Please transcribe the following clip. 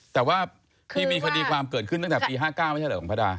แต่ว่าที่มีคดีความเกิดขึ้นตั้งแต่ปี๕๙ไม่ใช่เหรอของพระดา